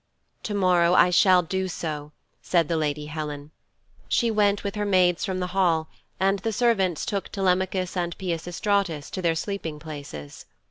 'To morrow I shall do so,' said the lady Helen. She went with her maids from the hall and the servants took Telemachus and Peisistratus to their sleeping places.